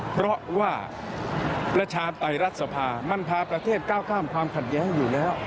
เพราะว่าประชาธิปไตยรัฐสภามันพาประเทศก้าวข้ามความขัดแย้งอยู่แล้ว